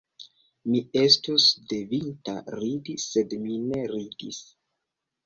Mi estus devinta ridi, sed mi ne ridis.